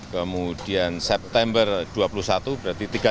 kemudian september dua puluh satu berarti tiga puluh